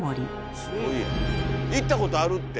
こちらは行ったことあるって。